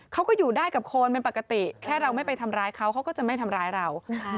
เขาก็อยู่ได้กับคนเป็นปกติแค่เราไม่ไปทำร้ายเขาเขาก็จะไม่ทำร้ายเรา